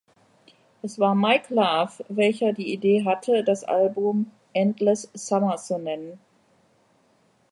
Es war Mike Love, welcher die Idee hatte, das Album "Endless Summer" zu nennen.